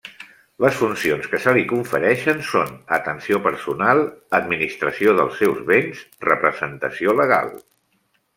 Les funcions que se li confereixen són: atenció personal, administració dels seus béns, representació legal.